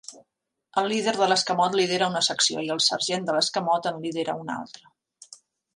El líder de l'escamot lidera una secció i el sergent de l'escamot en lidera una altra.